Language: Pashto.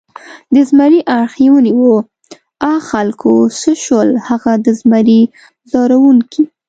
د زمري اړخ یې ونیو، آ خلکو څه شول هغه د زمري ځوروونکي؟